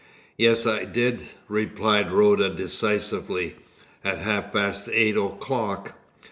"Yes, I did," replied Rhoda decisively, "at half past eight o'clock.